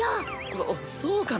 そそうかな。